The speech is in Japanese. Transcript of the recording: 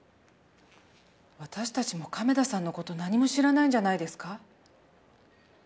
私たちも亀田さんの事何も知らないんじゃないですか？